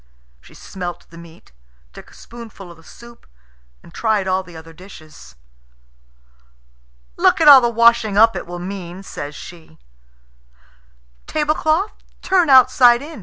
She smelt the meat, took a spoonful of the soup, and tried all the other dishes. "Look at all the washing up it will mean," says she. "Tablecloth, turn outside in!"